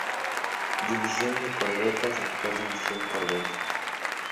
División de Corbetas, actual División Corbetas.